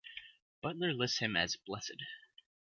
Butler lists him as "blessed".